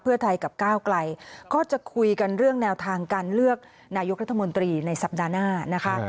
เพื่อไทยกับก้าวไกลก็จะคุยกันเรื่องแนวทางการเลือกนายกรัฐมนตรีในสัปดาห์หน้านะคะ